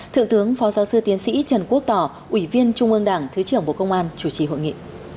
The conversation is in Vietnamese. thượng tướng phó giáo sư tiến sĩ trần quốc tỏ ủy viên trung ương đảng thứ trưởng bộ công an chủ trì hội nghị